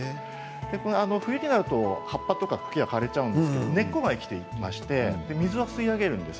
冬になると葉っぱや茎が枯れちゃうんですが根っこが生きていまして水が吸い上げるんです。